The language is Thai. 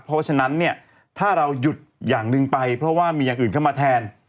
เพราะฉะนั้นเนี่ยถ้าเราหยุดอย่างหนึ่งไปเพราะว่ามีอย่างอื่นเข้ามาแทน